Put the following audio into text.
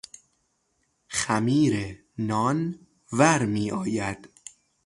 خمیر نان ورمیآید.